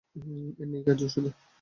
এর নায়িকা যশােদা।